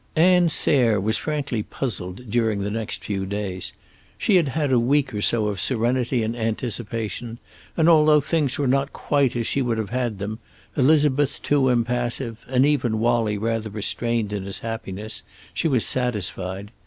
Ann Sayre was frankly puzzled during the next few days. She had had a week or so of serenity and anticipation, and although things were not quite as she would have had them, Elizabeth too impassive and even Wallie rather restrained in his happiness, she was satisfied.